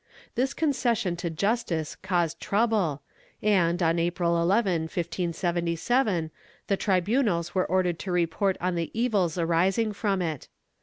This concession to justice caused trouble and, on April 11, 1577 the tribunals were ordered to report on the evils arising from it.